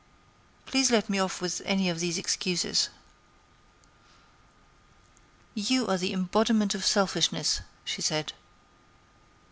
Please let me off with any one of these excuses." "You are the embodiment of selfishness," she said.